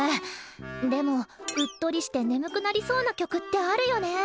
でもうっとりして眠くなりそうな曲ってあるよね。